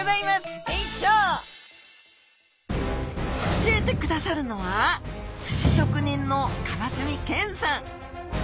教えてくださるのは寿司職人の川澄健さん！